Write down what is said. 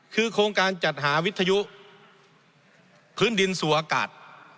คือโครงการจัดหาวิทยุพื้นดินสู่อากาศ